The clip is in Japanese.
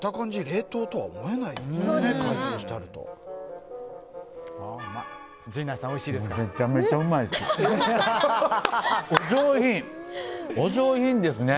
冷凍とは思えないですね